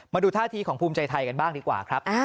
มาดูท่าทีของภูมิใจไทยกันบ้างดีกว่าครับ